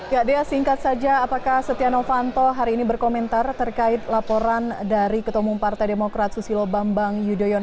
ya dea singkat saja apakah setia novanto hari ini berkomentar terkait laporan dari ketumum partai demokrat susilo bambang yudhoyono